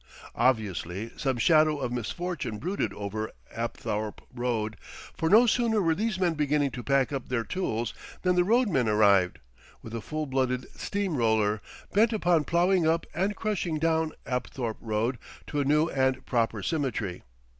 Obviously some shadow of misfortune brooded over Apthorpe Road, for no sooner were these men beginning to pack up their tools, than the road men arrived, with a full blooded steam roller, bent upon ploughing up and crushing down Apthorpe Road to a new and proper symmetry.